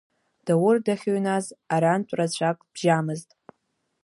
Даур дахьыҩназ арантә рацәак бжьамызт.